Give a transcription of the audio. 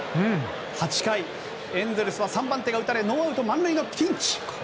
８回、エンゼルスは３番手が打たれノーアウト満塁のピンチ。